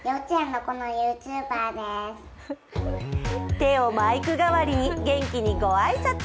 手をマイク代わりに元気にご挨拶。